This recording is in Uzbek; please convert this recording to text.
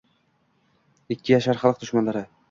Ikki yashar «xalq dushmanlari».